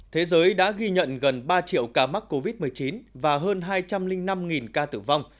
thế giới đã ghi nhận gần ba triệu ca mắc covid một mươi chín và hơn hai trăm linh năm ca tử vong